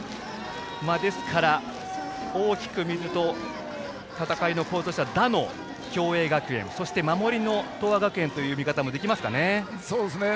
ですから、大きく見ると戦いどころとしては打の共栄学園守りの東亜学園という見方もできますかね。